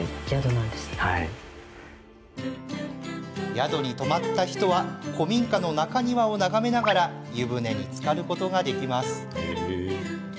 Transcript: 宿に泊まった人は古民家の中庭を眺めながら湯船につかることができます。